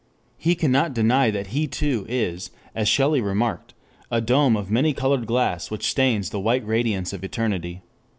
He cannot deny that he too is, as Shelley remarked, a dome of many colored glass which stains the white radiance of eternity.